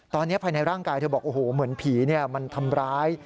ตอนนี้ภายในร่างกายเธอบอกโอ้โหเหมือนผีมันทำร้าย